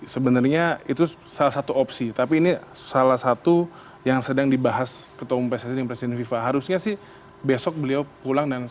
sebenarnya itu salah satu opsi tapi ini salah satu yang sedang dibahas ketua umum pssi dan presiden fifa harusnya sih besok beliau pulang